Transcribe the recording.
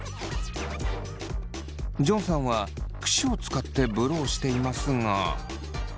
ジョンさんはクシを使ってブローしていますが。